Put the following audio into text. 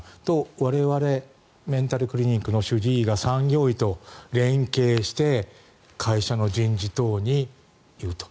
我々、メンタルクリニックの主治医が産業医と連携して会社の人事等に言うと。